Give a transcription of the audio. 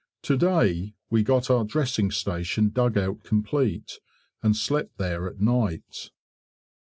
To day we got our dressing station dugout complete, and slept there at night.